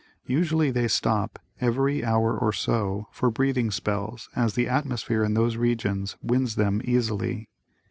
Usually they stop every hour or so for breathing spells as the atmosphere in those regions winds them easily.